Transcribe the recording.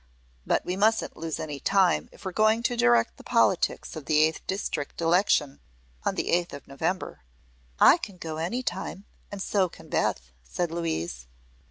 But we mustn't lose any time, if we're going to direct the politics of the Eighth District Election the eighth of November." "I can go any time, and so can Beth," said Louise.